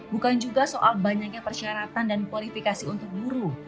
bukan juga soal banyaknya persyaratan dan kualifikasi untuk guru